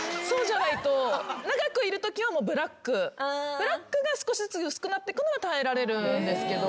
ブラックが少しずつ薄くなってくのは耐えられるんですけど。